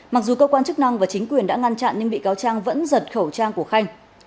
mặc dù cơ quan chức năng và chính quyền đã ngăn chặn nhưng bị cáo trang vẫn giật khẩu trang của khanh